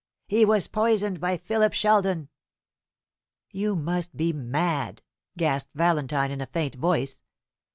He was poisoned by Philip Sheldon!" "You must be mad!" gasped Valentine, in a faint voice.